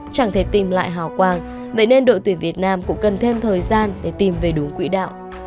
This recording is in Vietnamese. chẳng thể tìm lại hào quang vậy nên đội tuyển việt nam cũng cần thêm thời gian để tìm về đủ quỹ đạo